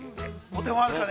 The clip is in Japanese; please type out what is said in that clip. ◆お手本あるから。